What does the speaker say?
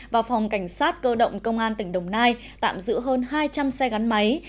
và phòng cảnh sát cơ động công an tỉnh đồng nai tạm giữ hơn hai trăm linh xe gắn máy